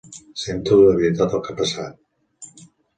Sento de veritat el que ha passat.